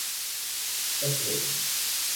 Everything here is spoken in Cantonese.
一盆